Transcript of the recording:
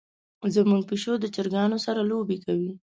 زمونږ پیشو د چرګانو سره لوبه کوي.